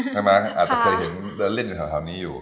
ใช่ไหมอาจจะเห็นเดินเล่นอยู่แถวนี้อยู่